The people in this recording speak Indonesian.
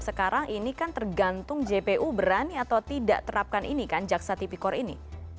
sekarang ini kan tergantung jpu berani atau tidak terapkan ini kan jaksa tipikor ini